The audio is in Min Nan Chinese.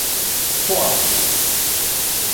蔡厝